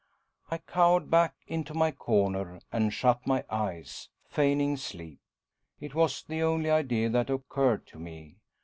I cowered back into my corner and shut my eyes, feigning sleep. It was the only idea that occurred to me.